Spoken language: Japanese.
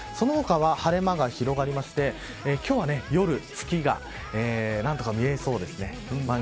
その他は晴れ間が広がりまして今日は夜月が何とか見えそうです。